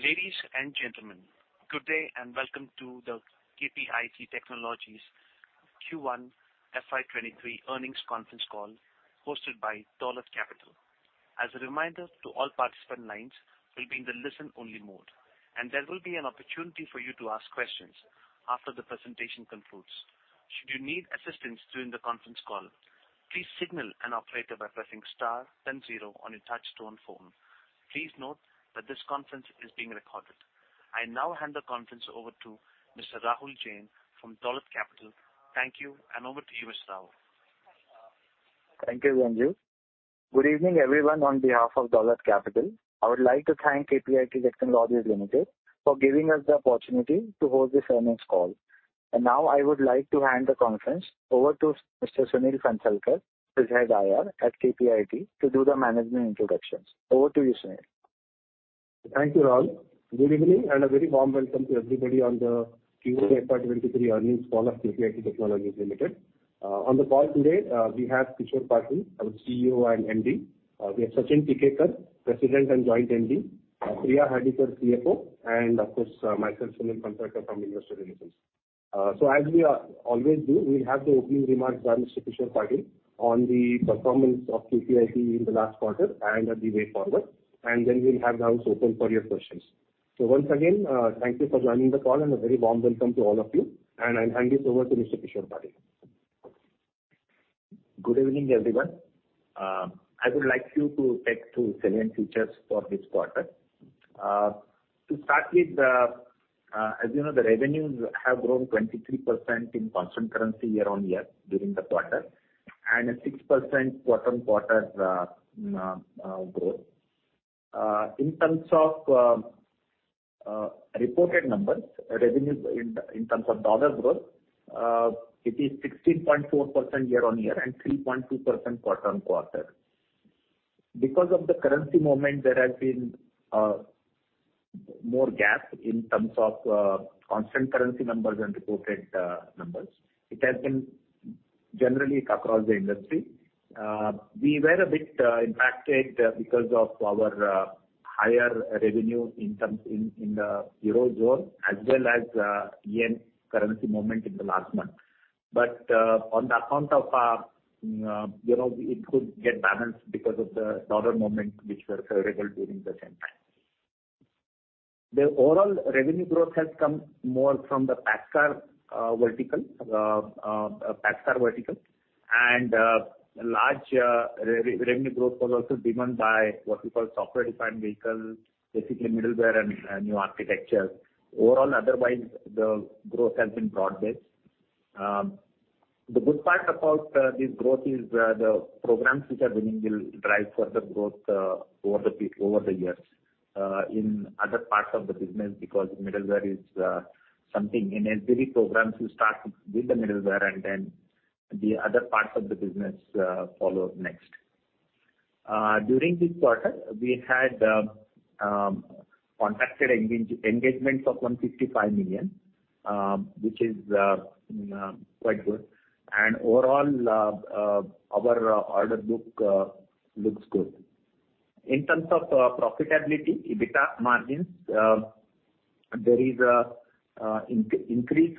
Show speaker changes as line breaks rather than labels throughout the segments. Ladies and gentlemen, good day and welcome to the KPIT Technologies Q1 FY 2023 Earnings Conference Call hosted by Dolat Capital. As a reminder to all participant lines will be in the listen-only mode, and there will be an opportunity for you to ask questions after the presentation concludes. Should you need assistance during the conference call, please signal an operator by pressing star then zero on your touch tone phone. Please note that this conference is being recorded. I now hand the conference over to Mr. Rahul Jain from Dolat Capital. Thank you, and over to you, Mr. Rahul.
Thank you, Ranjit. Good evening, everyone. On behalf of Dolat Capital, I would like to thank KPIT Technologies Limited for giving us the opportunity to hold this earnings call. Now I would like to hand the conference over to Mr. Sunil Phansalkar, who's head of IR at KPIT, to do the management introductions. Over to you, Sunil.
Thank you, Rahul. Good evening, and a very warm welcome to everybody on the Q1 FY 2023 Earnings Call of KPIT Technologies Limited. On the call today, we have Kishor Patil, our CEO and MD. We have Sachin Tikekar, President and Joint MD, Priya Hardikar, CFO, and of course, myself, Sunil Phansalkar from Investor Relations. So as we always do, we'll have the opening remarks by Mr. Kishor Patil on the performance of KPIT in the last quarter and the way forward, and then we'll have the house open for your questions. Once again, thank you for joining the call and a very warm welcome to all of you. I'll hand this over to Mr. Kishor Patil.
Good evening, everyone. I would like you to take two salient features for this quarter. To start with, as you know, the revenues have grown 23% in constant currency year-on-year during the quarter, and a 6% quarter-on-quarter growth. In terms of reported numbers, revenues in terms of dollar growth, it is 16.4% year-on-year and 3.2% quarter-on-quarter. Because of the currency movement, there has been more gap in terms of constant currency numbers and reported numbers. It has been generally across the industry. We were a bit impacted because of our higher revenue in the Eurozone as well as yen currency movement in the last month. On account of, you know, it could get balanced because of the dollar movement which were favorable during the same time. The overall revenue growth has come more from the PACCAR vertical, and large revenue growth was also driven by what we call software-defined vehicles, basically middleware and new architecture. Overall, otherwise, the growth has been broad-based. The good part about this growth is the programs which are winning will drive further growth over the years in other parts of the business because middleware is something. In SDV programs, you start with the middleware, and then the other parts of the business follow next. During this quarter, we had contracted engagements of 155 million, which is quite good. Overall, our order book looks good. In terms of profitability, EBITDA margins, there is an increase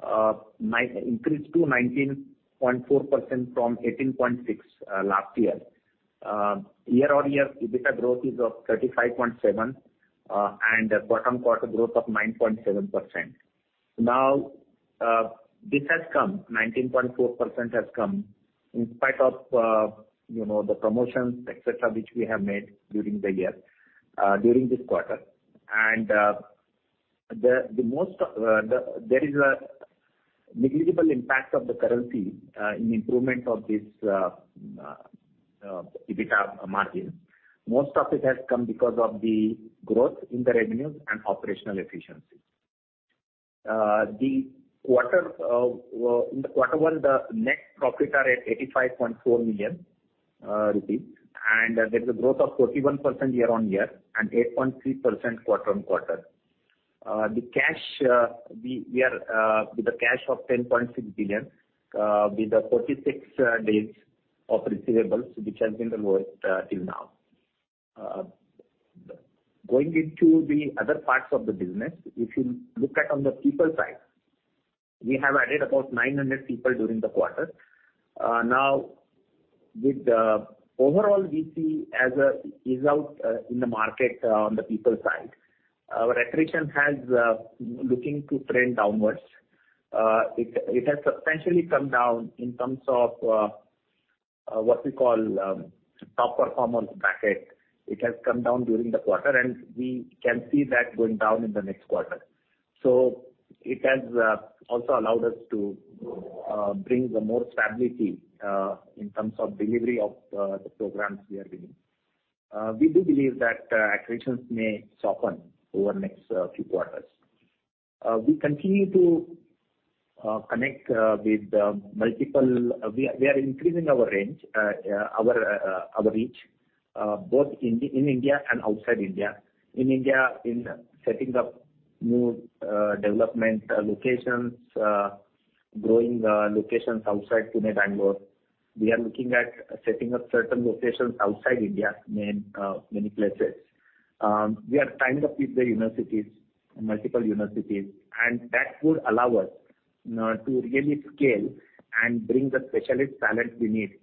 to 19.4% from 18.6% last year. Year-on-year EBITDA growth is 35.7%, and quarter-on-quarter growth of 9.7%. Now, this has come, 19.4% has come in spite of, you know, the promotions, et cetera, which we have made during the year, during this quarter. There is a negligible impact of the currency in improvement of this EBITDA margin. Most of it has come because of the growth in the revenues and operational efficiencies. In the quarter, well, the net profits are at 85.4 million rupees, and there is a growth of 41% year-on-year and 8.3% quarter-on-quarter. The cash, we are with the cash of 10.6 billion with the 46 days of receivables, which has been the lowest till now. Going into the other parts of the business, if you look at on the people side, we have added about 900 people during the quarter. Now, with the overall we see as a result, in the market on the people side, attrition has looking to trend downwards. It has substantially come down in terms of what we call top performance bracket. It has come down during the quarter, and we can see that going down in the next quarter. It has also allowed us to bring the more stability in terms of delivery of the programs we are giving. We do believe that attritions may soften over next few quarters. We continue to connect with multiple. We are increasing our range, our reach both in India and outside India. In India, setting up new development locations, growing locations outside Pune, Bangalore. We are looking at setting up certain locations outside India, in many places. We are tying up with the universities, multiple universities, and that would allow us to really scale and bring the specialist talent we need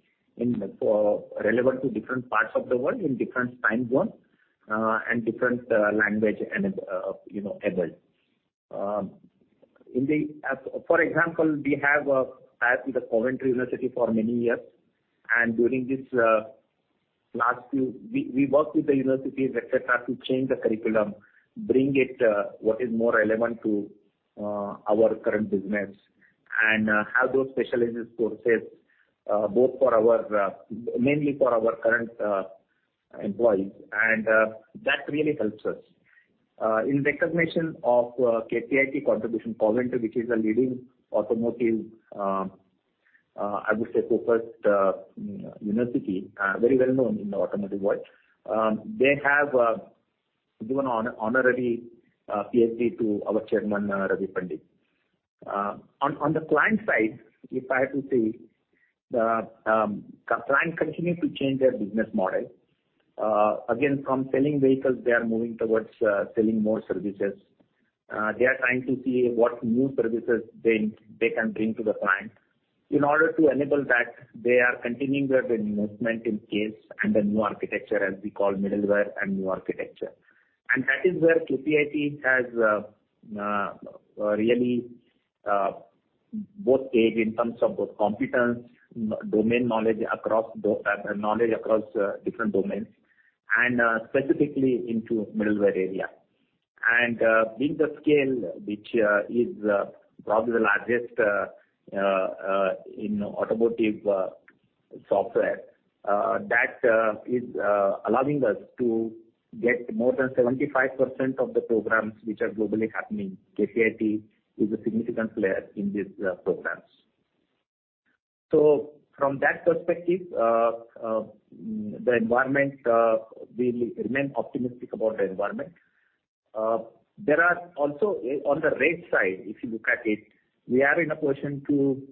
for relevant to different parts of the world in different time zone, and different language and you know, environment. For example, we have had with the Coventry University for many years, and we worked with the universities, et cetera, to change the curriculum, bring it what is more relevant to our current business and have those specialized courses both for our mainly for our current employees. That really helps us. In recognition of KPIT contribution, Coventry University, which is a leading automotive, I would say focused, you know, university, very well known in the automotive world. They have given honorary PhD to our chairman, Ravi Pandit. On the client side, if I have to say, the clients continue to change their business model. Again, from selling vehicles they are moving towards selling more services. They are trying to see what new services they can bring to the client. In order to enable that, they are continuing their investment in CASE and the new architecture as we call middleware and new architecture. That is where KPIT has really both paved in terms of both competence, domain knowledge across knowledge across different domains and specifically into middleware area. Being the scale which is probably the largest in automotive software that is allowing us to get more than 75% of the programs which are globally happening. KPIT is a significant player in these programs. From that perspective, we remain optimistic about the environment. There are also on the rate side, if you look at it, we are in a position to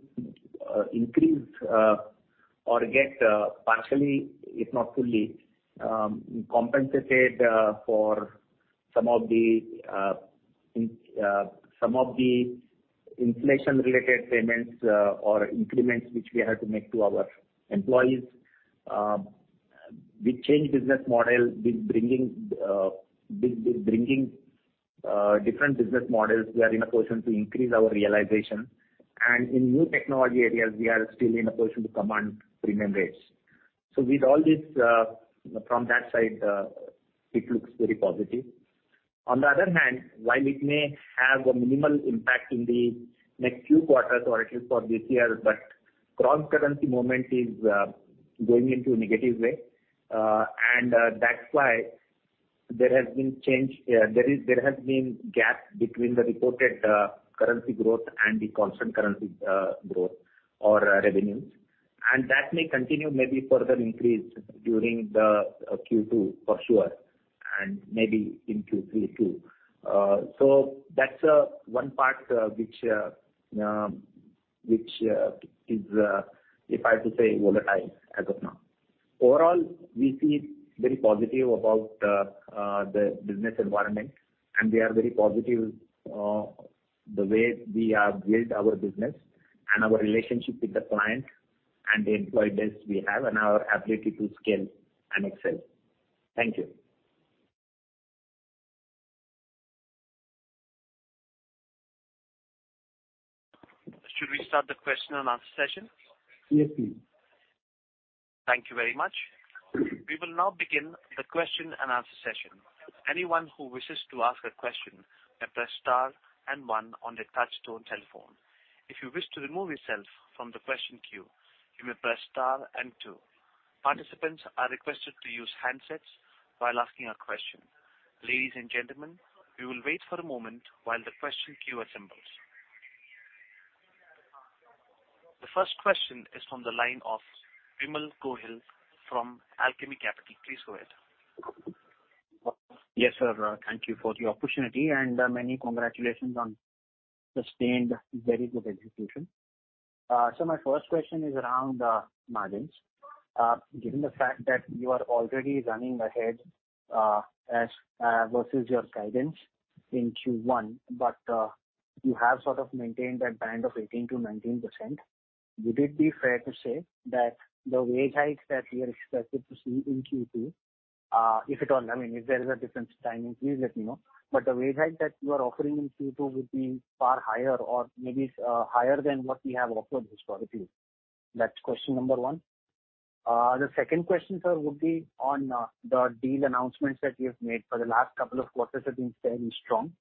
increase or get partially, if not fully, compensated for some of the inflation-related payments or increments which we have to make to our employees. We change business model with bringing different business models, we are in a position to increase our realization. In new technology areas, we are still in a position to command premium rates. With all this, from that side, it looks very positive. On the other hand, while it may have a minimal impact in the next few quarters or at least for this year, but cross-currency movement is going into a negative way. That's why there has been gap between the reported currency growth and the constant currency growth or revenues. That may continue, maybe further increase during the Q2 for sure and maybe in Q3 too. That's one part which is, if I have to say, volatile as of now. Overall, we feel very positive about the business environment, and we are very positive the way we have built our business and our relationship with the client and the employee base we have and our ability to scale and excel. Thank you.
Should we start the question and answer session?
Yes, please.
Thank you very much. We will now begin the question and answer session. Anyone who wishes to ask a question may press star and one on their touchtone telephone. If you wish to remove yourself from the question queue, you may press star and two. Participants are requested to use handsets while asking a question. Ladies and gentlemen, we will wait for a moment while the question queue assembles. The first question is from the line of Vimal Gohil from Alchemy Capital. Please go ahead.
Yes, sir. Thank you for the opportunity, and many congratulations on sustained very good execution. My first question is around margins. Given the fact that you are already running ahead as versus your guidance in Q1, but you have sort of maintained that band of 18%-19%. Would it be fair to say that the wage hikes that we are expected to see in Q2, if at all, I mean, if there is a different timing, please let me know. The wage hike that you are offering in Q2 would be far higher or maybe higher than what we have offered historically. That's question number one. The second question, sir, would be on the deal announcements that you have made for the last couple of quarters have been fairly strong.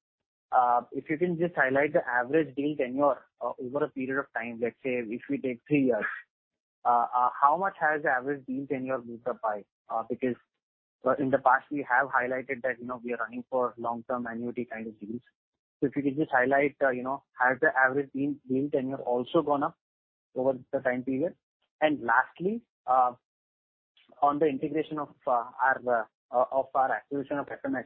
If you can just highlight the average deal tenure over a period of time, let's say if we take three years. How much has the average deal tenure moved up by? Because in the past we have highlighted that, you know, we are running for long-term annuity kind of deals. If you could just highlight, you know, has the average deal tenure also gone up over the time period? Lastly, on the integration of our acquisition of FMS.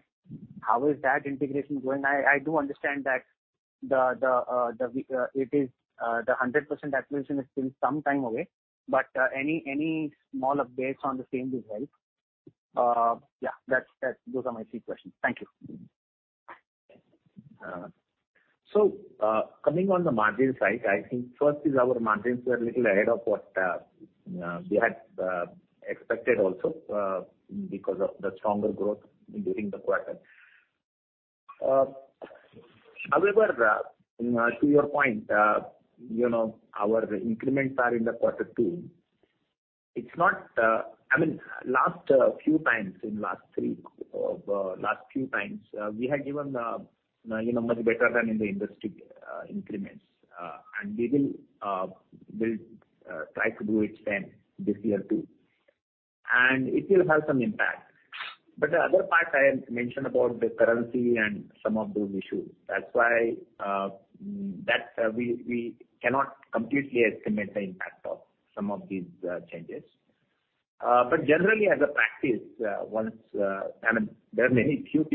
How is that integration going? I do understand that the 100% acquisition is still some time away, but any small updates on the same will help. Yeah, that's. Those are my three questions. Thank you.
Coming on the margin side, I think first is our margins were a little ahead of what we had expected also because of the stronger growth during the quarter. However, to your point, you know, our increments are in the quarter two. It's not. I mean, last few times in last three we had given you know much better than in the industry increments. We will try to do it then this year too, and it will have some impact. The other part I mentioned about the currency and some of those issues, that's why we cannot completely estimate the impact of some of these changes. Generally as a practice, once I mean, there are very few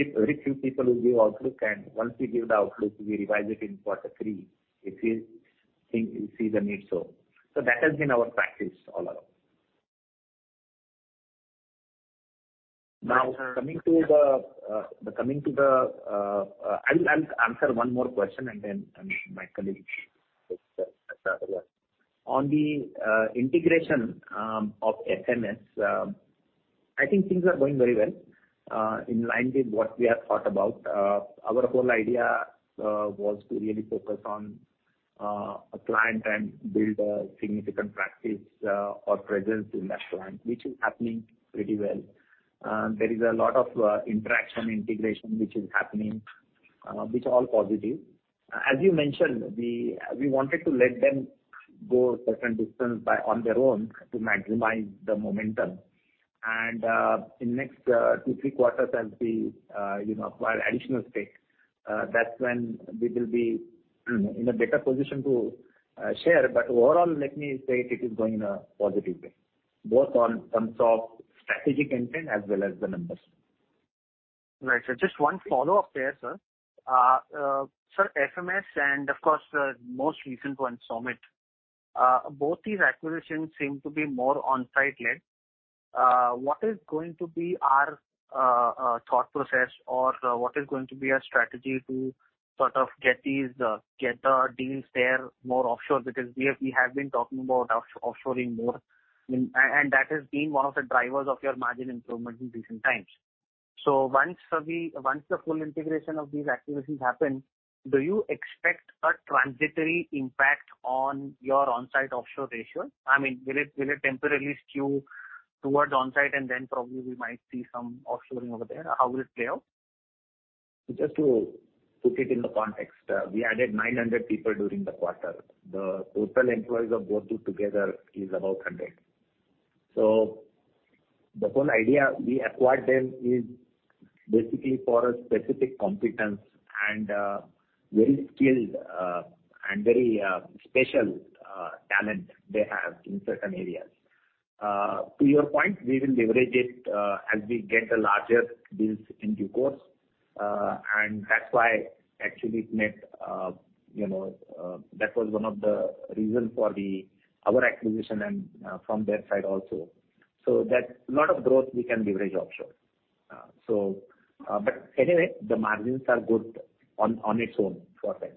people who give outlook. Once we give the outlook, we revise it in quarter three, if we think we see the need so. That has been our practice all along. Now, coming to the, I'll answer one more question and then my colleague will take over. On the integration of FMS, I think things are going very well in line with what we have thought about. Our whole idea was to really focus on a client and build a significant practice or presence in that client, which is happening pretty well. There is a lot of interaction integration which is happening, which are all positive. As you mentioned, we wanted to let them go certain distance on their own to maximize the momentum. In next two, three quarters as we you know acquire additional stake, that's when we will be in a better position to share. Overall, let me say it is going in a positive way, both on terms of strategic intent as well as the numbers.
Right. Just one follow-up there, sir. Sir, FMS and of course, most recent one, SOMIT, both these acquisitions seem to be more on-site led. What is going to be our thought process or what is going to be our strategy to sort of get these deals there more offshore? Because we have been talking about offshoring more, and that has been one of the drivers of your margin improvement in recent times. Once the full integration of these acquisitions happen, do you expect a transitory impact on your on-site offshore ratio? I mean, will it temporarily skew towards on-site, and then probably we might see some offshoring over there? How will it play out?
Just to put it in the context, we added 900 people during the quarter. The total employees of both two together is about 100. The whole idea we acquired them is basically for a specific competence and very skilled and very special talent they have in certain areas. To your point, we will leverage it as we get the larger deals in due course. That's why actually it made, you know, that was one of the reason for our acquisition and from their side also. That lot of growth we can leverage offshore. Anyway, the margins are good on its own for them.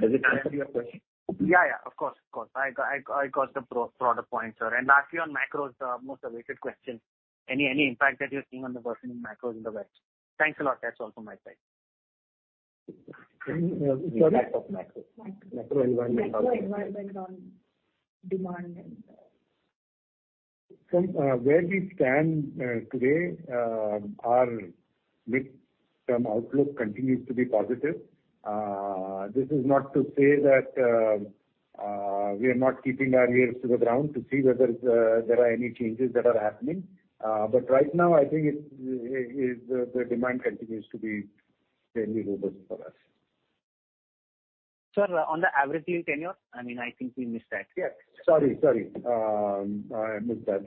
Does it answer your question?
Yeah. Of course. I got the product point, sir. Lastly, on macros, most awaited question. Any impact that you're seeing on the burgeoning macros in the West? Thanks a lot. That's all from my side.
Impact of macro.
Macro environment on demand and.
From where we stand today, our mid-term outlook continues to be positive. This is not to say that we are not keeping our ears to the ground to see whether there are any changes that are happening. Right now, I think it's the demand continues to be fairly robust for us.
Sir, on the average deal tenure, I mean, I think we missed that.
Yes. I missed that.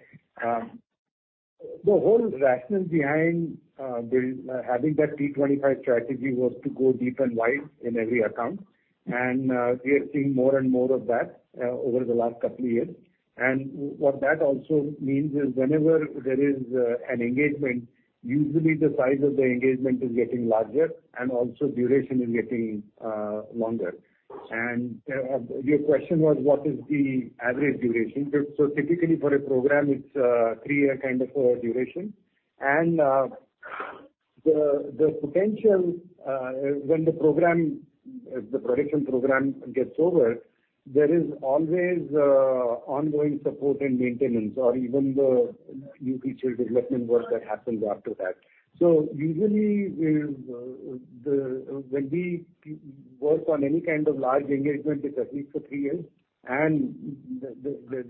The whole rationale behind having that T25 strategy was to go deep and wide in every account. We are seeing more and more of that over the last couple of years. What that also means is whenever there is an engagement, usually the size of the engagement is getting larger and also duration is getting longer. Your question was what is the average duration? Typically for a program, it's three-year kind of duration. The potential when the program, the production program gets over, there is always ongoing support and maintenance or even the new feature development work that happens after that. Usually we'll the. When we work on any kind of large engagement, it's at least for three years, and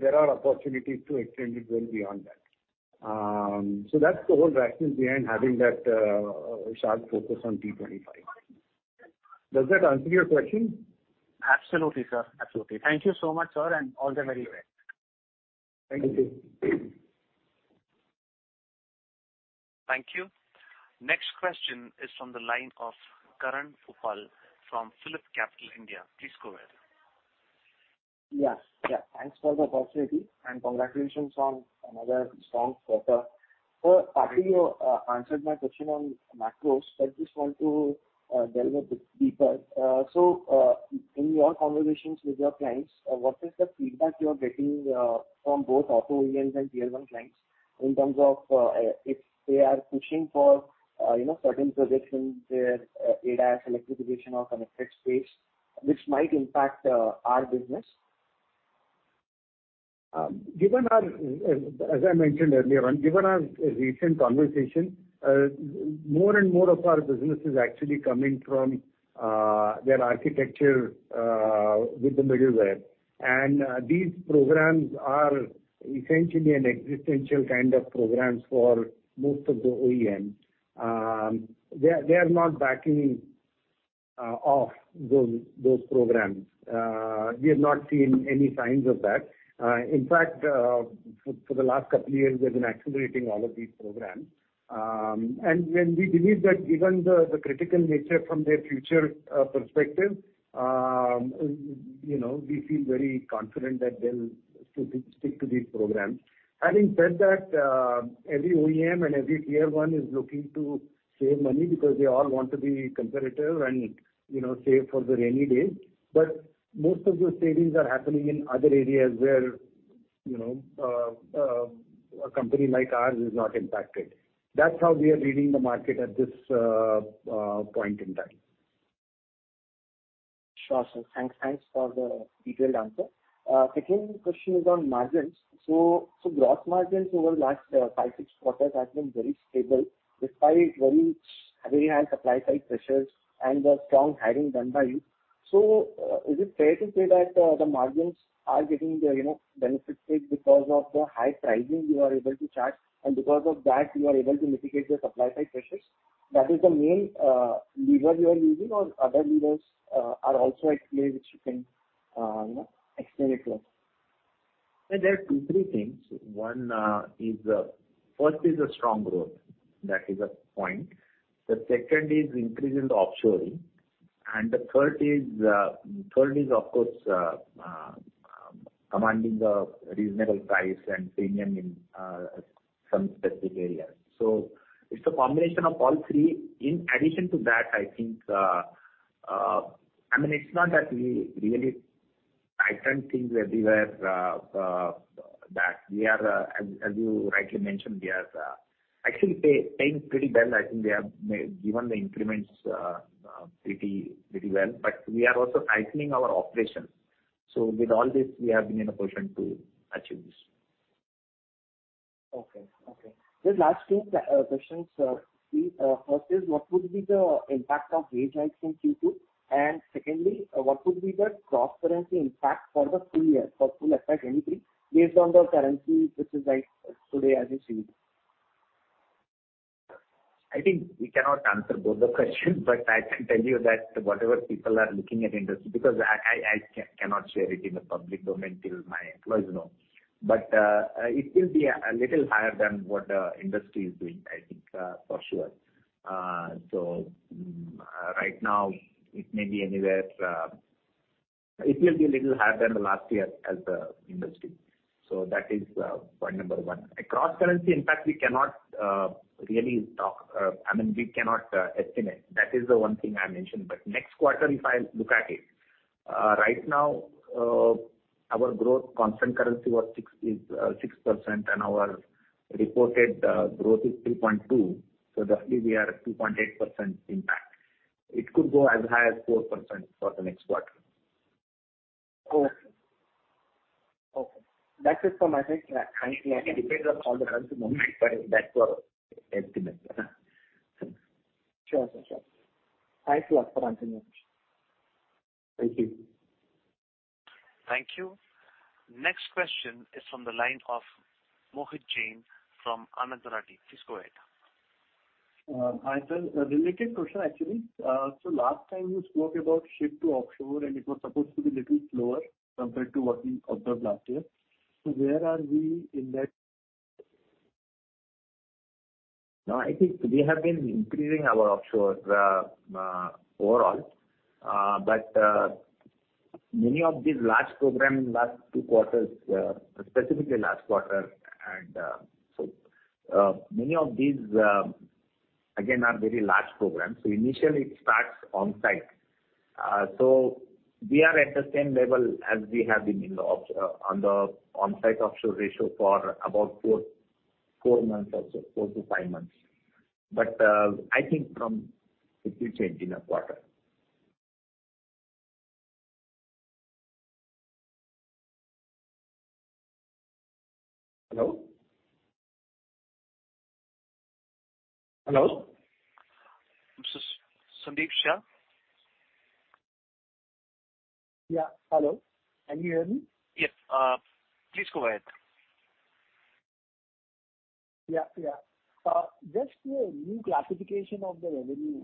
there are opportunities to extend it well beyond that. So that's the whole rationale behind having that sharp focus on T25. Does that answer your question?
Absolutely, sir, absolutely. Thank you so much, sir, and all the very best.
Thank you.
Thank you. Next question is from the line of Karan Uppal from PhillipCapital India. Please go ahead.
Yeah, yeah. Thanks for the opportunity, and congratulations on another strong quarter. Partly, you answered my question on macros, but just want to delve a bit deeper. In your conversations with your clients, what is the feedback you're getting from both auto OEMs and tier one clients in terms of if they are pushing for you know certain projections, their ADAS, electrification or connected space, which might impact our business?
As I mentioned earlier on, given our recent conversation, more and more of our business is actually coming from their architecture with the middleware. These programs are essentially an existential kind of programs for most of the OEM. They are not backing off those programs. We have not seen any signs of that. In fact, for the last couple of years, we've been accelerating all of these programs. When we believe that given the critical nature from their future perspective, you know, we feel very confident that they'll stick to these programs. Having said that, every OEM and every Tier 1 is looking to save money because they all want to be competitive and, you know, save for the rainy days. Most of those savings are happening in other areas where, you know, a company like ours is not impacted. That's how we are reading the market at this point in time.
Sure, sir. Thanks for the detailed answer. Second question is on margins. Gross margins over last five, six quarters has been very stable despite very heavy and supply-side pressures and the strong hiring done by you. Is it fair to say that the margins are getting the, you know, benefit because of the high pricing you are able to charge, and because of that you are able to mitigate the supply-side pressures? That is the main lever you are using or other levers are also at play which you can, you know, explain it to us.
There are two, three things. One, first is a strong growth. That is a point. The second is increase in the offshoring. The third is, of course, commanding a reasonable price and premium in some specific areas. It's a combination of all three. In addition to that, I think, I mean, it's not that we really tighten things everywhere, that we are, as you rightly mentioned, we are actually paying pretty well. I think we have given the increments pretty well. We are also tightening our operations. With all this, we have been in a position to achieve this.
Okay. Just last two questions, sir. Please, first is what would be the impact of wage hikes in Q2? Secondly, what would be the cross-currency impact for the full year, for full effect, anything based on the currency which is like today as you see it?
I think we cannot answer both the questions, but I can tell you that whatever people are looking at industry, because I cannot share it in the public domain till my employees know. It will be a little higher than what industry is doing, I think, for sure. Right now it may be anywhere, it will be a little higher than last year as the industry. That is point number one. A cross-currency impact, we cannot really talk, I mean, we cannot estimate. That is the one thing I mentioned. Next quarter, if I look at it, right now, our growth constant currency is 6% and our reported growth is 3.2%. Roughly we are at 2.8% impact. It could go as high as 4% for the next quarter.
Cool. Okay. That's it from my side.
It depends on how the currency moves, but that's our estimate.
Sure. Thanks a lot for answering our questions.
Thank you.
Thank you. Next question is from the line of Mohit Jain from Anand Rathi. Please go ahead.
Hi, sir. A related question, actually. Last time you spoke about shift to offshore, and it was supposed to be little slower compared to what we observed last year. Where are we in that?
No, I think we have been increasing our offshore, overall. Many of these large program in last two quarters, specifically last quarter and so many of these again are very large programs. Initially it starts on-site. We are at the same level as we have been in the on-site offshore ratio for about four months or so, four to five months. I think from it will change in a quarter. Hello?
Hello? This is Sandeep Shah.
Yeah. Hello. Can you hear me?
Yes. Please go ahead.
Yeah, yeah. Just the new classification of the revenue,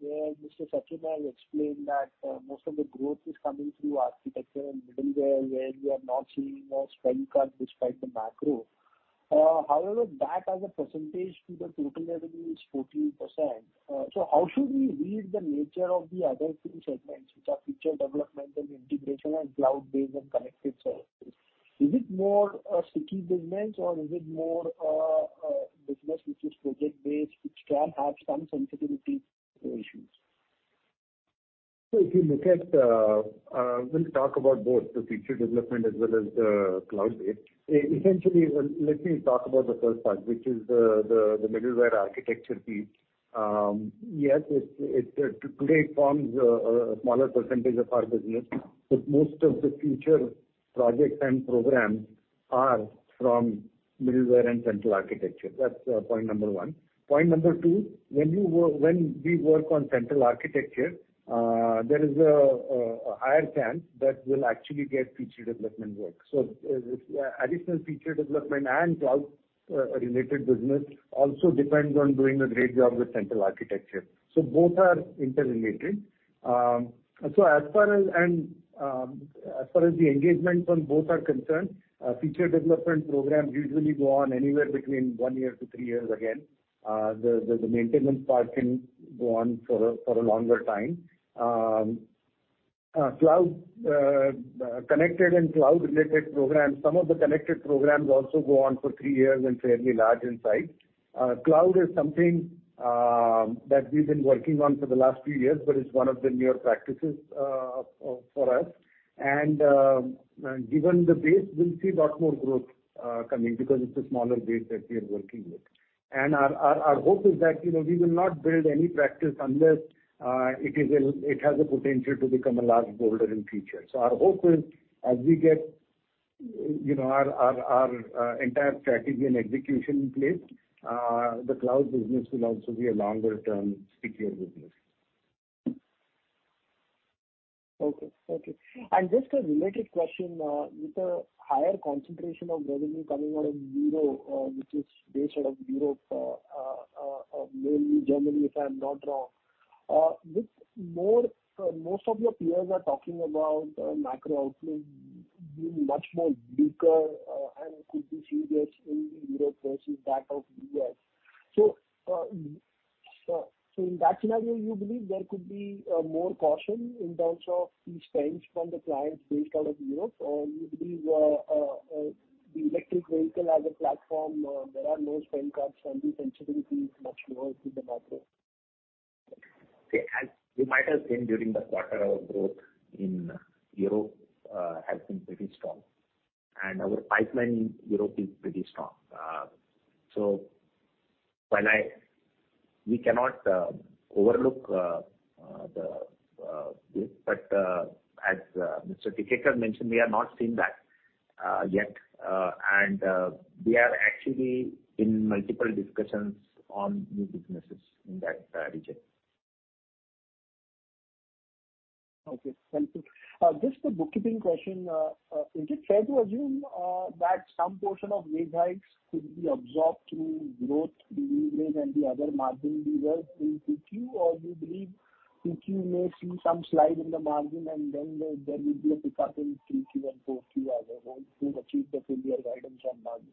where Mr. Sachin has explained that most of the growth is coming through architecture and middleware, where we are not seeing a spend cut despite the macro. However that as a percentage to the total revenue is 14%. So how should we read the nature of the other two segments, which are future development and integration and cloud-based and connected services? Is it more sticky business or is it more business which is project-based, which can have some sensitivity issues?
If you look at, we'll talk about both the future development as well as the cloud-based. Essentially, let me talk about the first part, which is the middleware architecture piece. Yes, it today forms a smaller percentage of our business, but most of the future projects and programs are from middleware and central architecture. That's point number one. Point number two, when we work on central architecture, there is a higher chance that we'll actually get future development work. Additional feature development and cloud related business also depends on doing a great job with central architecture. Both are interrelated. As far as the engagements on both are concerned, future development programs usually go on anywhere between one year to three years again. The maintenance part can go on for a longer time. Cloud connected and cloud related programs, some of the connected programs also go on for three years and fairly large in size. Cloud is something that we've been working on for the last few years, but it's one of the newer practices for us. Given the base, we'll see a lot more growth coming because it's a smaller base that we are working with. Our hope is that, you know, we will not build any practice unless it has a potential to become a large boulder in future. Our hope is as we get, you know, our entire strategy and execution in place, the cloud business will also be a longer term stickier business.
Just a related question, with a higher concentration of revenue coming out of Europe, which is based out of Europe, mainly Germany, if I'm not wrong. Most of your peers are talking about macro outlook being much more weaker and could be serious in Europe versus that of U.S. In that scenario, you believe there could be more caution in terms of the spends from the clients based out of Europe? Or you believe the electric vehicle as a platform there are no spend cuts and the sensitivity is much lower to the macro.
Okay. As you might have seen during the quarter, our growth in Europe has been pretty strong. Our pipeline in Europe is pretty strong. We cannot overlook this, but as Mr. Tikekar mentioned, we have not seen that yet. We are actually in multiple discussions on new businesses in that region.
Okay, thank you. Just a bookkeeping question. Is it fair to assume that some portion of wage hikes could be absorbed through growth leverage and the other margin levers in Q2? Or you believe Q2 may see some slide in the margin and then there will be a pick up in Q3 and Q4 as I hope to achieve the full year guidance on margins?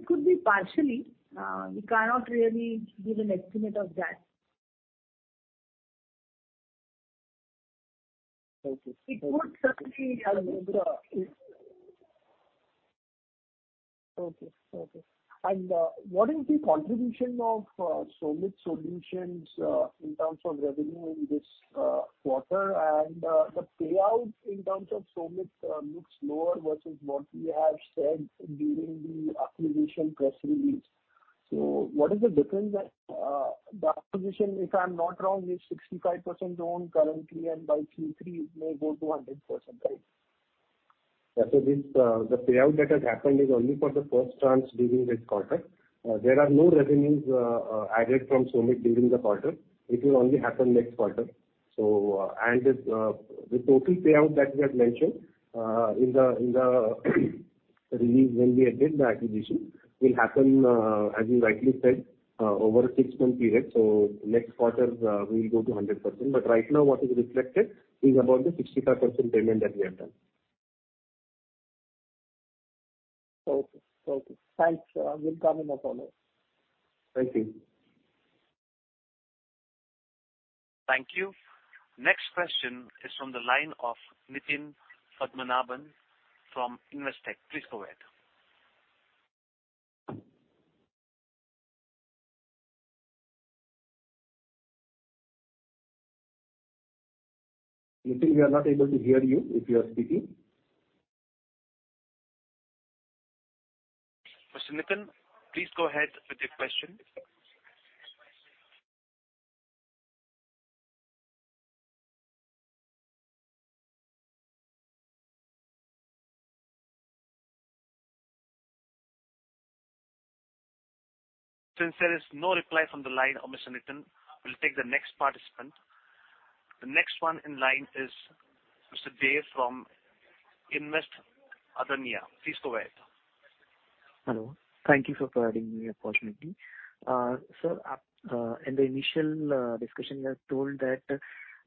It could be partially. We cannot really give an estimate of that.
Okay.
It could certainly.
Okay. What is the contribution of SOMIT Solutions in terms of revenue in this quarter? The payout in terms of SOMIT looks lower versus what we have said during the acquisition press release. What is the difference that the acquisition, if I'm not wrong, is 65% owned currently, and by Q3 it may go to 100%, right?
Yeah. This payout that has happened is only for the first tranche during this quarter. There are no revenues added from SOMIT during the quarter. It will only happen next quarter. The total payout that we have mentioned in the release when we did the acquisition will happen, as you rightly said, over a six-month period. Next quarter, we'll go to 100%. But right now what is reflected is about the 65% payment that we have done.
Okay. Thanks. We'll come in with follow-up.
Thank you.
Thank you. Next question is from the line of Nitin Padmanabhan from Investec. Please go ahead. Nitin, we are not able to hear you if you are speaking. Mr. Nitin, please go ahead with your question. Since there is no reply from the line of Mr. Nitin, we'll take the next participant. The next one in line is Mr. Jay from Investec India. Please go ahead.
Hello. Thank you for providing me opportunity. Sir, in the initial discussion you have told that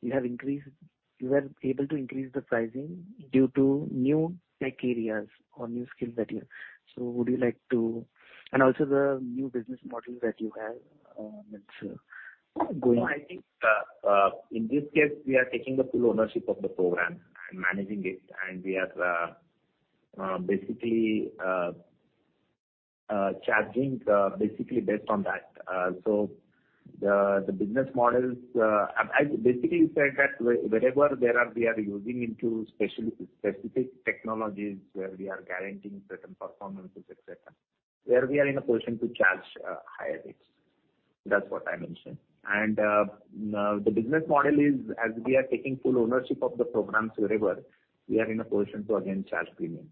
you were able to increase the pricing due to new tech areas or new skill set here. Would you like to, and also the new business model that you have that's going.
No, I think in this case, we are taking the full ownership of the program and managing it, and we are basically charging basically based on that. The business models, as basically you said that wherever there are, we are using in specific technologies where we are guaranteeing certain performances, et cetera. Where we are in a position to charge higher rates. That's what I mentioned. The business model is, as we are taking full ownership of the programs wherever, we are in a position to again charge premium.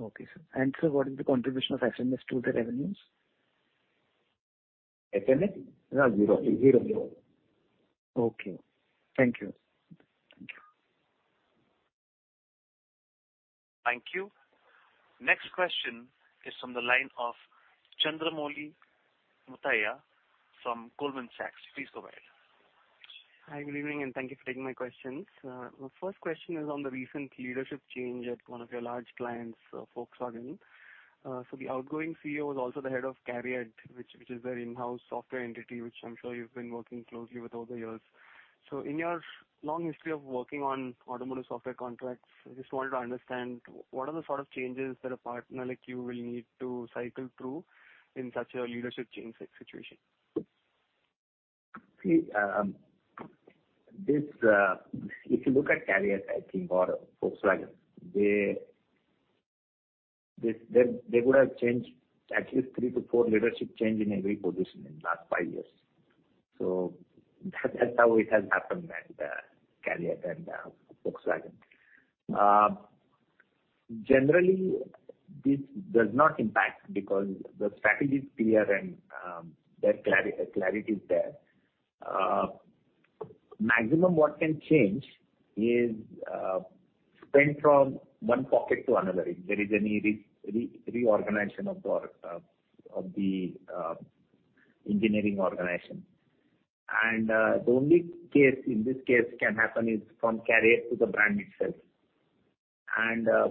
Okay, sir. Sir, what is the contribution of FMS to the revenues?
FMS? Zero.
Okay. Thank you.
Thank you.
Thank you. Next question is from the line of Chandramouli Muthiah from Goldman Sachs. Please go ahead.
Hi, good evening, and thank you for taking my questions. My first question is on the recent leadership change at one of your large clients, Volkswagen. The outgoing CEO was also the head of CARIAD, which is their in-house software entity, which I'm sure you've been working closely with over the years. In your long history of working on automotive software contracts, I just wanted to understand, what are the sort of changes that a partner like you will need to cycle through in such a leadership change situation?
See, this, if you look at CARIAD, I think, or Volkswagen, they would have changed at least 3-4 leadership change in every position in the last 5 years. That's how it has happened at CARIAD and Volkswagen. Generally, this does not impact because the strategy is clear and there clarity is there. Maximum what can change is spend from one pocket to another, if there is any reorganization of the engineering organization. The only case in this case can happen is from CARIAD to the brand itself.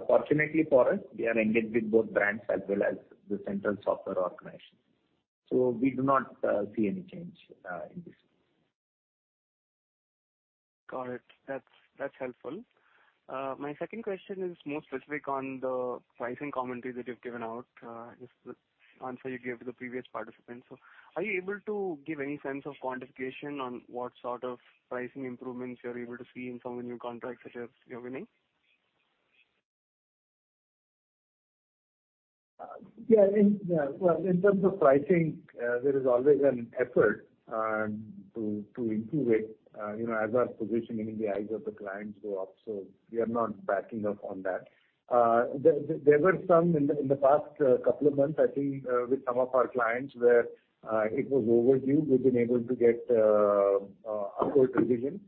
Fortunately for us, we are engaged with both brands as well as the central software organization. We do not see any change in this.
Got it. That's helpful. My second question is more specific on the pricing commentary that you've given out, just the answer you gave to the previous participant. Are you able to give any sense of quantification on what sort of pricing improvements you're able to see in some of the new contracts that you're winning?
Well, in terms of pricing, there is always an effort to improve it, you know, as our positioning in the eyes of the clients go up, so we are not backing up on that. There were some in the past couple of months, I think, with some of our clients where it was overdue. We've been able to get upward revision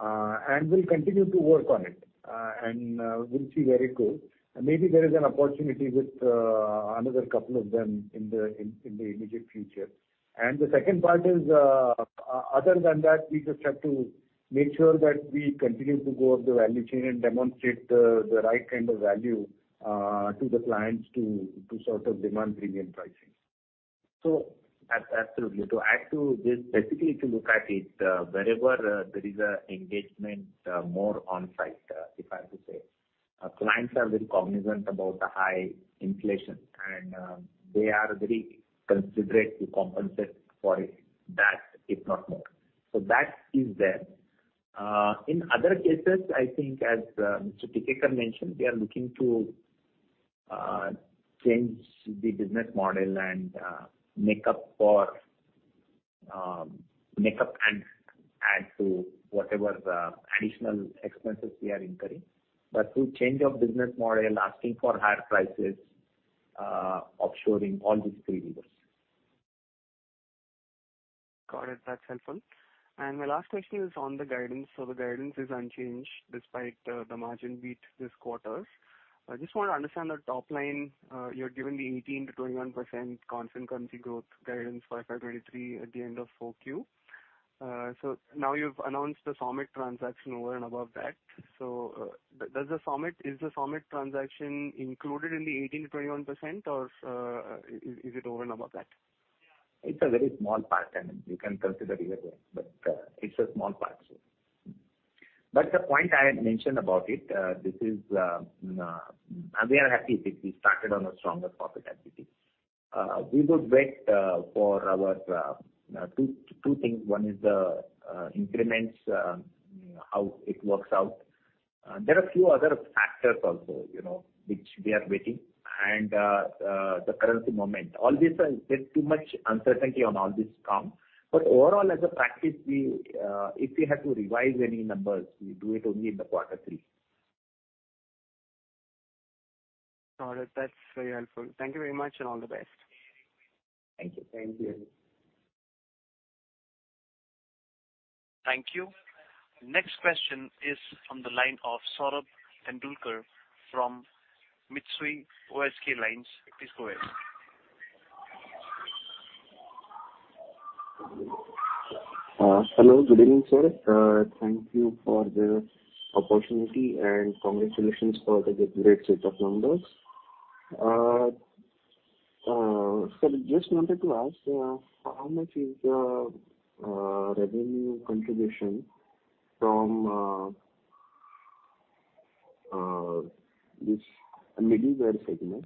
and we'll continue to work on it. We'll see where it goes. Maybe there is an opportunity with another couple of them in the immediate future. The second part is, other than that, we just have to make sure that we continue to go up the value chain and demonstrate the right kind of value to the clients to sort of demand premium pricing.
Absolutely. To add to this, basically, if you look at it, wherever there is an engagement, more on-site, if I have to say, clients are very cognizant about the high inflation and they are very considerate to compensate for that, if not more. So that is there. In other cases, I think as Mr. Tikekar mentioned, we are looking to change the business model and make up and add to whatever the additional expenses we are incurring. Through change of business model, asking for higher prices, offshoring all these three levers.
Got it. That's helpful. My last question is on the guidance. The guidance is unchanged despite the margin beat this quarter. I just want to understand the top line. You had given the 18%-21% constant currency growth guidance for FY 2023 at the end of Q4. Now you've announced the SOMIT transaction over and above that. Is the SOMIT transaction included in the 18%-21% or is it over and above that?
It's a very small part and you can consider either way, but it's a small part. The point I had mentioned about it, and we are happy, we started on a stronger profitability. We would wait for our two things. One is the increments, how it works out. There are a few other factors also, you know, which we are waiting and the currency movement. There's too much uncertainty on all this front. Overall, as a practice, if we have to revise any numbers, we do it only in the quarter three.
Got it. That's very helpful. Thank you very much, and all the best.
Thank you.
Thank you.
Thank you. Next question is from the line of Saurabh Tendulkar from Mitsui O.S.K. Lines. Please go ahead.
Hello. Good evening, sir. Thank you for the opportunity, and congratulations for the great set of numbers. Just wanted to ask, how much is the revenue contribution from this middleware segment?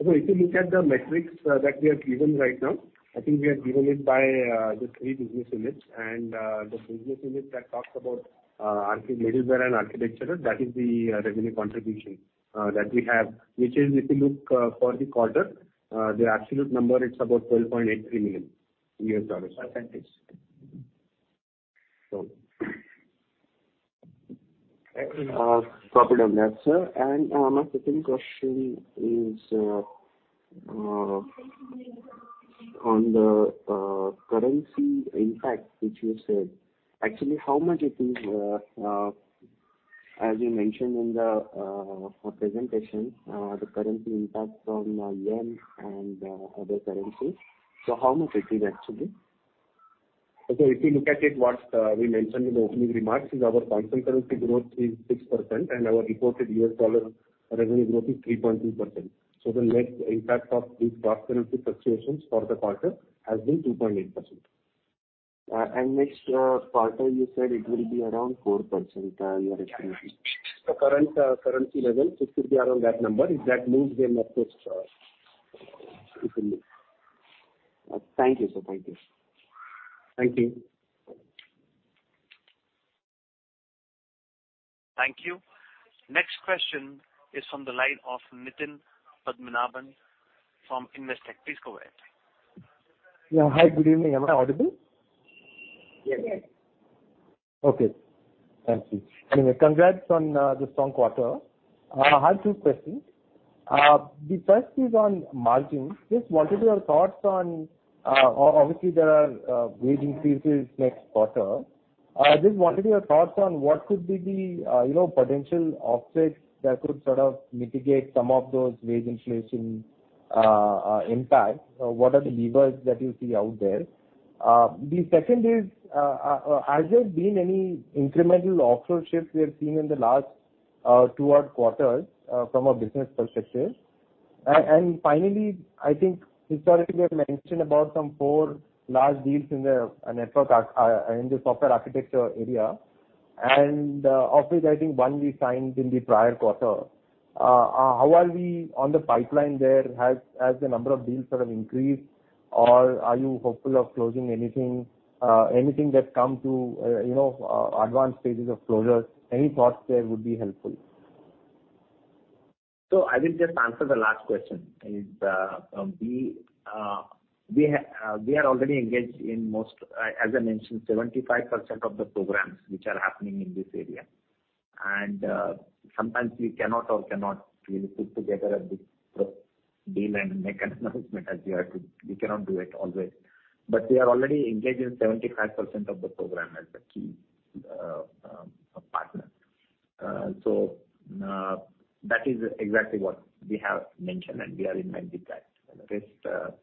If you look at the metrics that we have given right now, I think we have given it by the three business units. The business unit that talks about middleware and architecture, that is the revenue contribution that we have. Which is, if you look for the quarter, the absolute number, it's about $12.83 million.
Copy on that, sir. My second question is on the currency impact which you said. Actually, how much it is, as you mentioned in the presentation, the currency impact from yen and other currencies. How much it is actually?
If you look at it, what we mentioned in the opening remarks is our constant currency growth is 6% and our reported U.S. dollar revenue growth is 3.2%. The net impact of these cross-currency fluctuations for the quarter has been 2.8%.
Next quarter you said it will be around 4%, your estimation.
The current currency levels, it could be around that number. If that moves, then of course, it will move.
Thank you, sir. Thank you.
Thank you.
Thank you. Next question is from the line of Nitin Padmanabhan from Investec. Please go ahead.
Yeah. Hi, good evening. Am I audible?
Yes.
Okay. Thank you. Anyway, congrats on the strong quarter. I have two questions. The first is on margins. Just wanted your thoughts on obviously there are wage increases next quarter. Just wanted your thoughts on what could be the you know potential offsets that could sort of mitigate some of those wage inflation impact. What are the levers that you see out there? The second is, has there been any incremental offshore shifts we have seen in the last two odd quarters from a business perspective? Finally, I think historically you have mentioned about some four large deals in the software architecture area, of which I think one we signed in the prior quarter. How are we on the pipeline there? Has the number of deals sort of increased or are you hopeful of closing anything that's come to, you know, advanced stages of closure? Any thoughts there would be helpful.
I will just answer the last question. We are already engaged in most, as I mentioned, 75% of the programs which are happening in this area. Sometimes we cannot really put together a big deal and make an announcement as we have to. We cannot do it always. We are already engaged in 75% of the program as a key partner. That is exactly what we have mentioned, and we are implementing that. Rest, Priya.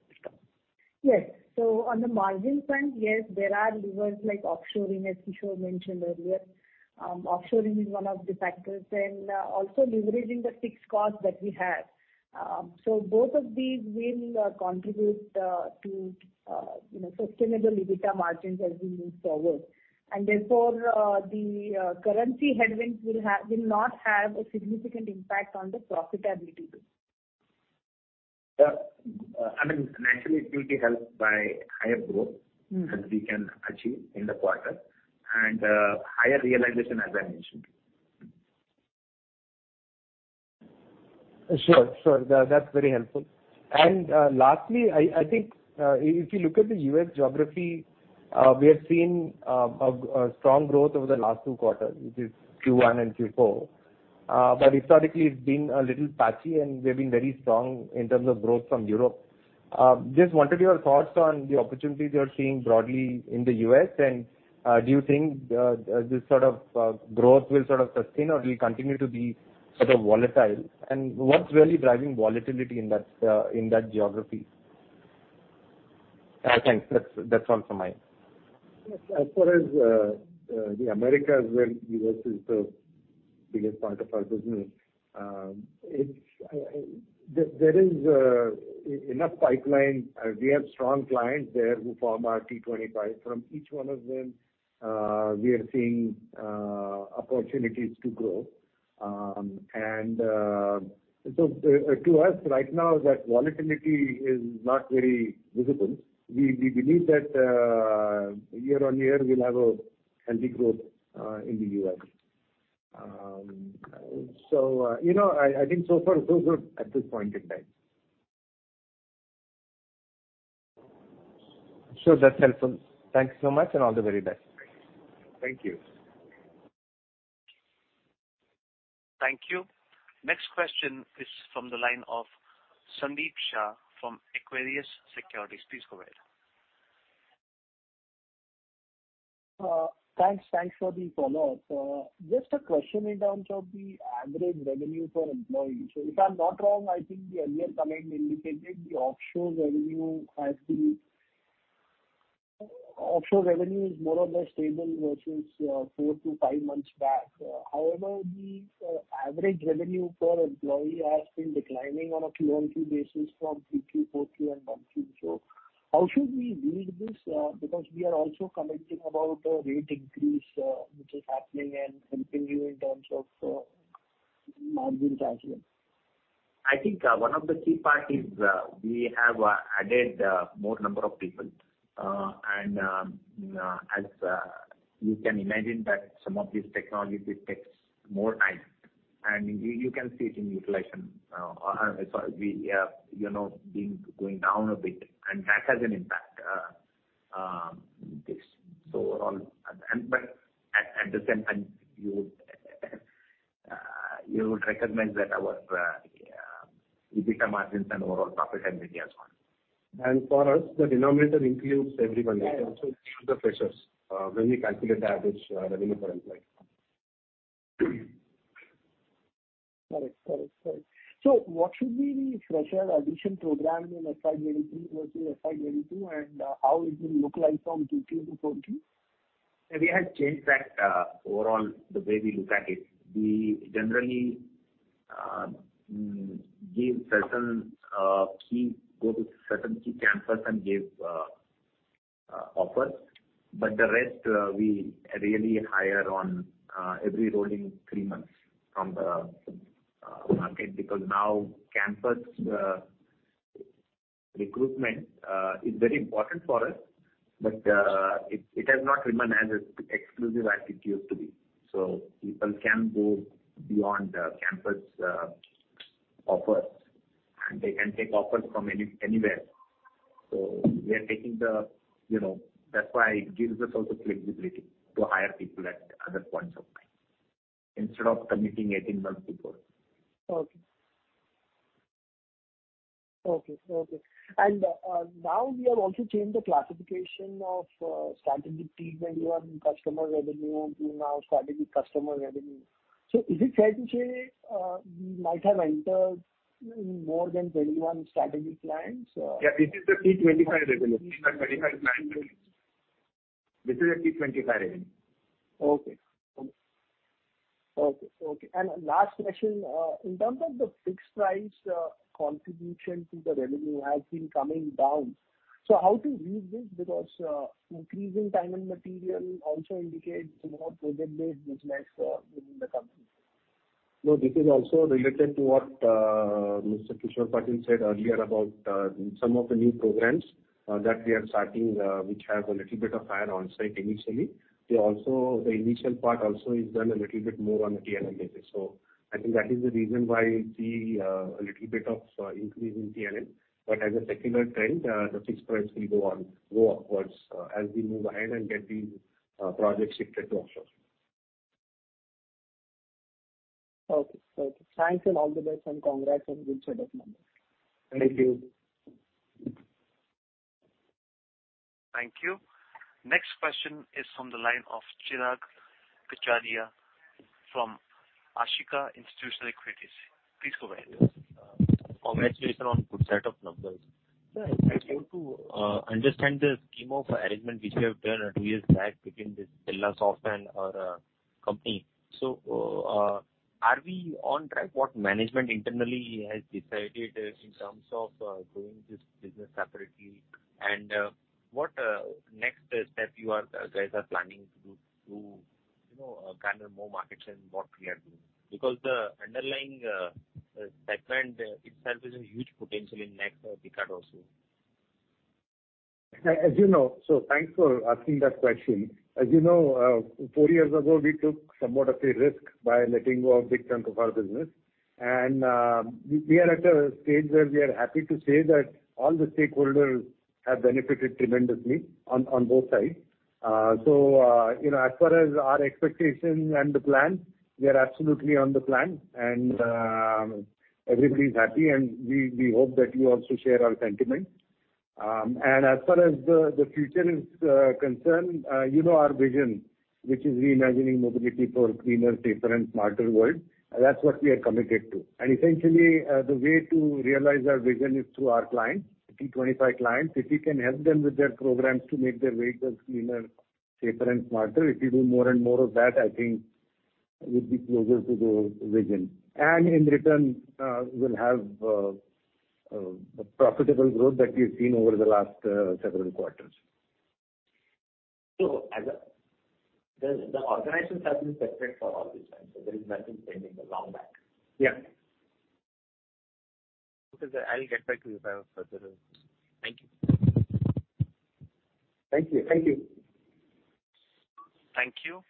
Yes. On the margin front, yes, there are levers like offshoring, as Kishor mentioned earlier. Offshoring is one of the factors. Also leveraging the fixed cost that we have. Both of these will contribute to you know, sustainable EBITDA margins as we move forward. Therefore, the currency headwinds will not have a significant impact on the profitability.
Yeah. I mean, naturally it will be helped by higher growth that we can achieve in the quarter and higher realization, as I mentioned.
Sure. That's very helpful. Lastly, I think if you look at the U.S. geography, we have seen a strong growth over the last two quarters, which is Q1 and Q4. Historically it's been a little patchy, and we have been very strong in terms of growth from Europe. Just wanted your thoughts on the opportunities you're seeing broadly in the U.S. Do you think this sort of growth will sort of sustain or it will continue to be sort of volatile? What's really driving volatility in that geography? Thanks. That's all from my end.
As far as the Americas, where U.S. is the biggest part of our business, there is enough pipeline. We have strong clients there who form our T25. From each one of them, we are seeing opportunities to grow. To us right now that volatility is not very visible. We believe that year-on-year we'll have a healthy growth in the U.S. You know, I think so far so good at this point in time.
Sure, that's helpful. Thanks so much, and all the very best.
Thank you.
Thank you. Next question is from the line of Sandeep Shah from Equirus Securities. Please go ahead.
Thanks for the follow-up. Just a question in terms of the average revenue per employee. If I'm not wrong, I think the earlier comment indicated the offshore revenue is more or less stable versus four to five months back. However, the average revenue per employee has been declining on a Q on Q basis from Q2, Q4, and Q1. How should we read this? Because we are also commenting about the rate increase, which is happening and helping you in terms of margin expansion.
I think one of the key part is we have added more number of people. As you can imagine that some of these technologies takes more time. You can see it in utilization. Sorry, we have you know been going down a bit, and that has an impact this.
Overall. At the same time, you would recognize that our EBITDA margins and overall profit have been good as well.
For us, the denominator includes everybody.
Yeah, yeah.
It includes the freshers when we calculate the average revenue per employee.
Correct. What should be the fresher addition program in FY 2023 versus FY 2022, and how it will look like from Q2 to Q4?
We have changed that, overall, the way we look at it. We generally go to certain key campuses and give offers. The rest, we really hire on every rolling three months from the market because now campus recruitment is very important for us. It has not remained as exclusive as it used to be. People can go beyond the campus offers, and they can take offers from anywhere. We are taking the, you know. That's why it gives us also flexibility to hire people at other points of time instead of committing 18 months before.
Okay. Now we have also changed the classification of strategic team revenue and customer revenue to now strategic customer revenue. Is it fair to say we might have entered in more than 21 strategic clients?
Yeah, this is the T25 revenue. T25 clients. This is a T25 revenue.
Okay. Last question. In terms of the fixed-price contribution to the revenue has been coming down. How to read this? Because increase in time and materials also indicates more project-based business within the company.
No, this is also related to what Mr. Kishor Patil said earlier about some of the new programs that we are starting, which have a little bit of higher onsite initially. The initial part also is done a little bit more on a T&M basis. I think that is the reason why we see a little bit of increase in T&M. But as a secular trend, the fixed price will go upwards as we move ahead and get these projects shifted to offshore.
Okay. Thanks and all the best, and congrats on good set of numbers.
Thank you.
Thank you. Next question is from the line of Chirag Kachhadiya from Ashika Stock Broking. Please go ahead.
Congratulations on good set of numbers.
Thanks.
Sir, I want to understand the scheme of arrangement which you have done two years back between Birlasoft and our company. Are we on track what management internally has decided in terms of growing this business separately? What next step you guys are planning to do to you know garner more markets and what we are doing. Because the underlying segment itself is a huge potential in next decade also.
Thanks for asking that question. As you know, four years ago, we took somewhat of a risk by letting go a big chunk of our business. We are at a stage where we are happy to say that all the stakeholders have benefited tremendously on both sides. You know, as far as our expectations and the plan, we are absolutely on the plan and everybody's happy and we hope that you also share our sentiment. As far as the future is concerned, you know our vision, which is reimagining mobility for a cleaner, safer and smarter world. That's what we are committed to. Essentially, the way to realize our vision is through our clients, T25 clients. If we can help them with their programs to make their vehicles cleaner, safer and smarter, if we do more and more of that, I think we'll be closer to the vision. In return, we'll have a profitable growth that we've seen over the last several quarters.
The organization has been separate for all this time, so there is nothing changing a long back.
Yeah.
Okay. I'll get back to you if I have further. Thank you.
Thank you. Thank you.
Thank you.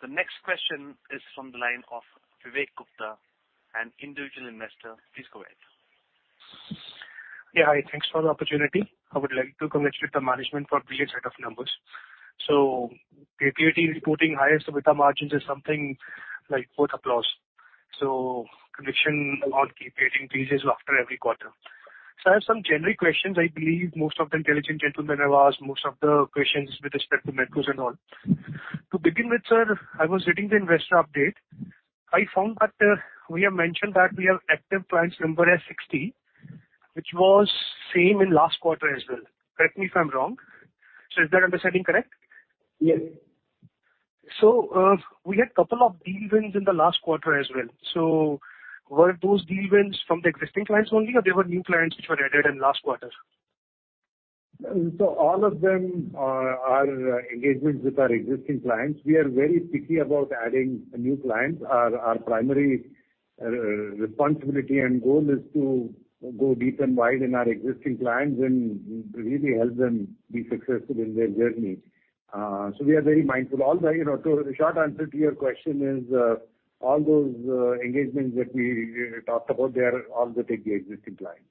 The next question is from the line of Vivek Gupta, an individual investor. Please go ahead.
Yeah, hi. Thanks for the opportunity. I would like to congratulate the management for brilliant set of numbers. KPIT reporting highest EBITDA margins is something like worth applause. Conviction on KPIT increases after every quarter. I have some generic questions. I believe most of the intelligent gentlemen have asked most of the questions with respect to macros and all. To begin with, sir, I was reading the investor update. I found that, we have mentioned that we have active clients number as 60, which was same in last quarter as well. Correct me if I'm wrong. Is that understanding correct?
Yes.
We had couple of deal wins in the last quarter as well. Were those deal wins from the existing clients only or they were new clients which were added in last quarter?
All of them are engagements with our existing clients. We are very picky about adding new clients. Our primary responsibility and goal is to go deep and wide in our existing clients and really help them be successful in their journey. We are very mindful. Although, you know, the short answer to your question is, all those engagements that we talked about, they are all with the existing clients.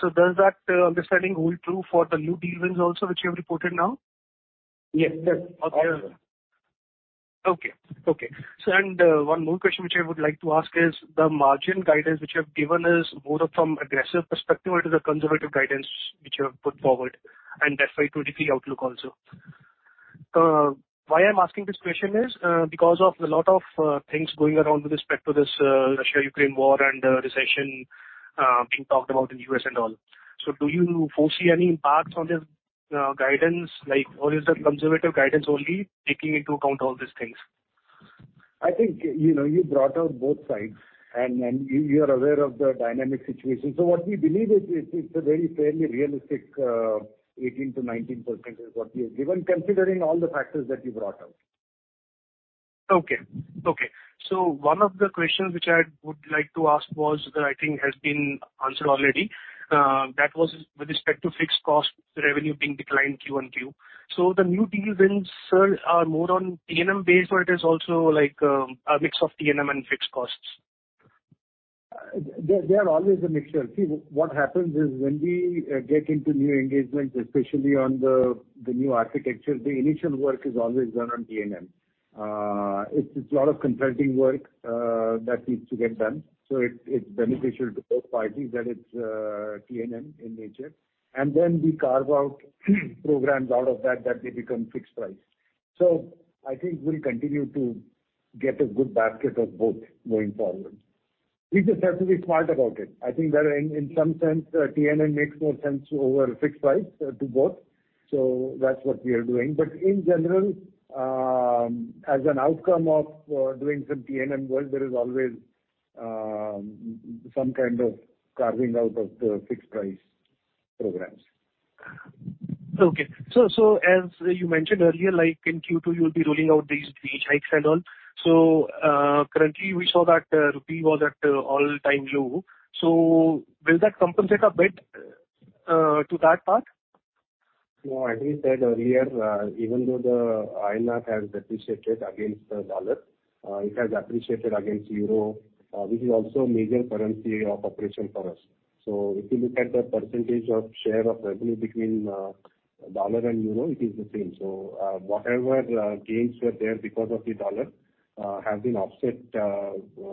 Does that understanding hold true for the new deal wins also, which you have reported now?
Yes. Yes. All of them.
Okay. One more question which I would like to ask is the margin guidance which you have given is more of from aggressive perspective or it is a conservative guidance which you have put forward, and that's why 2023 outlook also. Why I'm asking this question is because of a lot of things going around with respect to this Russia-Ukraine war and the recession being talked about in the U.S. and all. Do you foresee any impacts on this guidance, like, or is it conservative guidance only taking into account all these things?
I think, you know, you brought out both sides and you are aware of the dynamic situation. What we believe is, it's a very fairly realistic 18%-19% is what we have given, considering all the factors that you brought out.
One of the questions which I would like to ask was that I think has been answered already, that was with respect to fixed-cost revenue being declined QoQ. The new deal wins, sir, are more on T&M basis, or it is also like a mix of T&M and fixed-cost?
They are always a mixture. See, what happens is when we get into new engagements, especially on the new architecture, the initial work is always done on T&M. It's a lot of consulting work that needs to get done. It's beneficial to both parties that it's T&M in nature. Then we carve out programs out of that that may become fixed price. I think we'll continue to get a good basket of both going forward. We just have to be smart about it. I think wherein some sense T&M makes more sense over fixed price to both. That's what we are doing. In general, as an outcome of doing some T&M work, there is always some kind of carving out of the fixed price programs.
Okay. As you mentioned earlier, like in Q2 you'll be rolling out these fee hikes and all. Currently we saw that rupee was at all-time low. Will that compensate a bit to that part?
No. As we said earlier, even though the INR has depreciated against the U.S. dollar, it has appreciated against euro, which is also a major currency of operation for us. If you look at the percentage of share of revenue between dollar and euro, it is the same. Whatever gains were there because of the dollar have been offset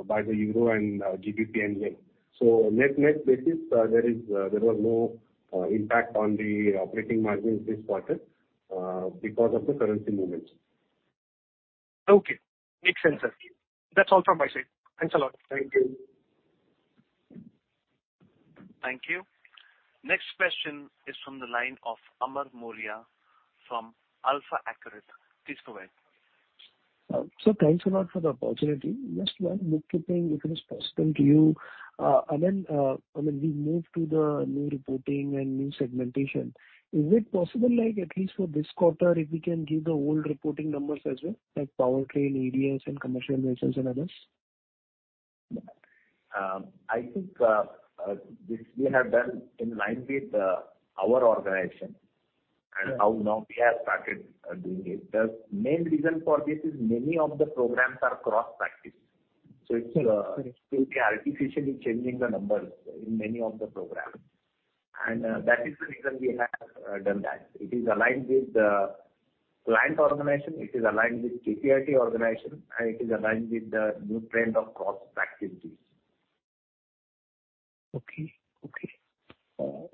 by the euro and GBP and yen. Net-net basis, there was no impact on the operating margins this quarter because of the currency movements.
Okay. Makes sense, sir. That's all from my side. Thanks a lot.
Thank you.
Thank you. Next question is from the line of Amar Maurya from AlfAccurate. Please go ahead.
Sir, thanks a lot for the opportunity. Just one bookkeeping, if it is possible to you. We moved to the new reporting and new segmentation. Is it possible, like at least for this quarter, if we can give the old reporting numbers as well, like Powertrain, ADAS and Commercial Vehicles and others?
I think this we have done in line with our organization.
Sure.
how now we have started doing it. The main reason for this is many of the programs are cross practice.
Sure. Sure.
It will be artificially changing the numbers in many of the programs. That is the reason we have done that. It is aligned with the client organization, it is aligned with KPIT organization, and it is aligned with the new trend of cross-practice deals.
Okay.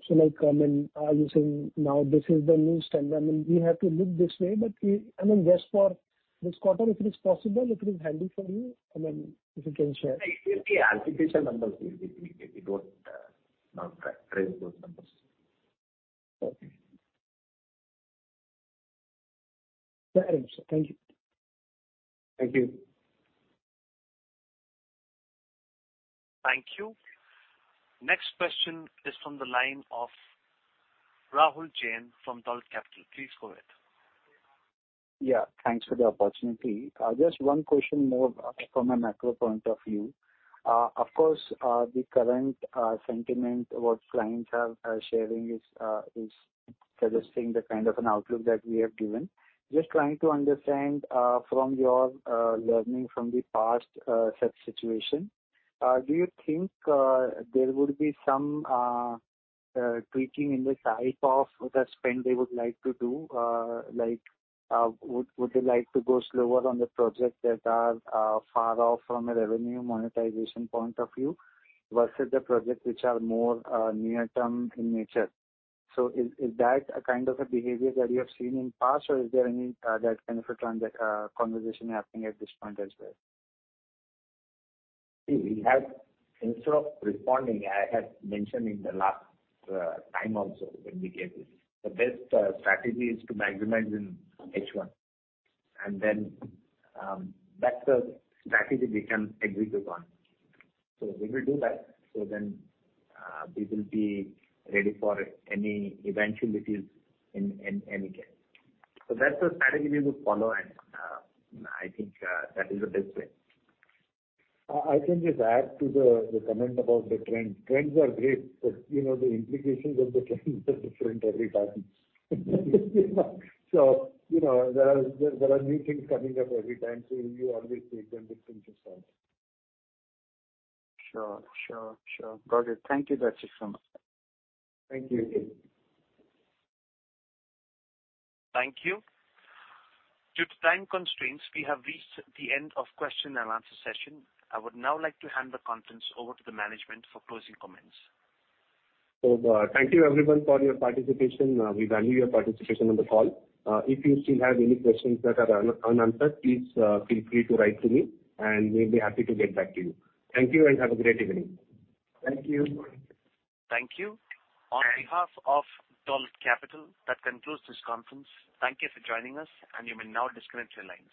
Like, I mean, are you saying now this is the new standard? I mean, we have to look this way, but we, I mean, just for this quarter, if it is possible, if it is handy for you, I mean, if you can share.
No. It will be artificial numbers. We don't trace those numbers.
Okay. Fair enough, sir. Thank you.
Thank you.
Thank you. Next question is from the line of Rahul Jain from Dolat Capital. Please go ahead.
Yeah, thanks for the opportunity. Just one question more from a macro point of view. Of course, the current sentiment what clients are sharing is suggesting the kind of an outlook that we have given. Just trying to understand from your learning from the past such situation do you think there would be some tweaking in the type of the spend they would like to do? Like, would they like to go slower on the projects that are far off from a revenue monetization point of view versus the projects which are more near-term in nature? Is that a kind of a behavior that you have seen in past or is there any that kind of a conversation happening at this point as well?
Instead of responding, I have mentioned in the last time also when we gave this. The best strategy is to maximize in H1 and then that's the strategy we can agree upon. If we do that, then we will be ready for any eventualities in any case. That's the strategy we would follow and I think that is the best way.
I can just add to the comment about the trends. Trends are great, but you know, the implications of the trends are different every time. You know, there are new things coming up every time, so you always take them with a pinch of salt.
Sure. Got it. Thank you, Sachin, so much.
Thank you.
Thank you. Due to time constraints, we have reached the end of question and answer session. I would now like to hand the conference over to the management for closing comments.
Thank you everyone for your participation. We value your participation on the call. If you still have any questions that are unanswered, please, feel free to write to me, and we'll be happy to get back to you. Thank you and have a great evening. Thank you.
Thank you. On behalf of Dolat Capital, that concludes this conference. Thank you for joining us, and you may now disconnect your lines.